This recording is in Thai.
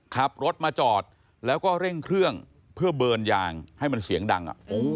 ขับรถมาจอดแล้วก็เร่งเครื่องเพื่อเบิร์นยางให้มันเสียงดัง